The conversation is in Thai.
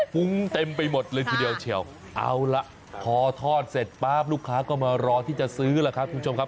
ฟุ้งเต็มไปหมดเลยทีเดียวเฉียวเอาล่ะพอทอดเสร็จป๊าบลูกค้าก็มารอที่จะซื้อล่ะครับคุณผู้ชมครับ